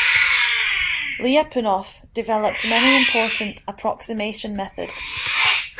Lyapunov developed many important approximation methods.